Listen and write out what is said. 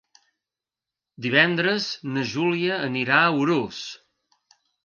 Divendres na Júlia anirà a Urús.